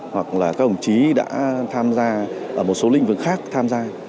hoặc là các đồng chí đã tham gia ở một số lĩnh vực khác tham gia